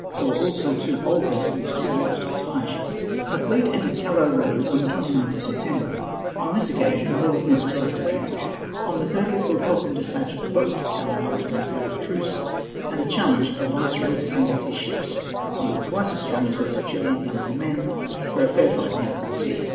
There were also two old vessels, to be used as fireships. The fleet entered Callao Roads on the 29th of September. On this occasion there was no subterfuge. On the 30th Lord Cochrane despatched a boat to Callao with a flag of truce, and a challenge to the Viceroy to send out his ships—nearly twice as strong as those of Chili in guns and men—for a fair fight in the open sea.